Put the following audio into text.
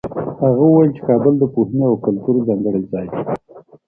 هغه وویل چي کابل د پوهنې او کلتور ځانګړی ځای دی.